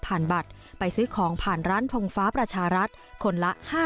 บัตรไปซื้อของผ่านร้านทงฟ้าประชารัฐคนละ๕๐๐